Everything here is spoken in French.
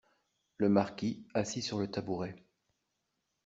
Le Marquis , assis sur le tabouret.